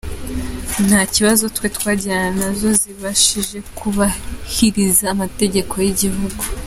Nta kibazo twe twagirana nazo zibashije kubahiriza amategeko y’igihugu.